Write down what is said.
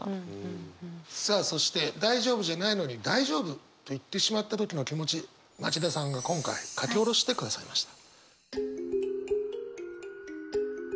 さあそして大丈夫じゃないのに大丈夫と言ってしまった時の気持ち町田さんが今回書き下ろしてくださいました。